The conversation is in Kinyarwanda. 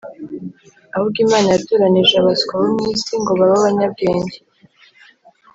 Ahubwo Imana yatoranije abaswa bo mu isi ngo babe abanyabwenge